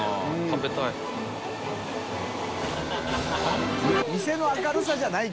食べたい。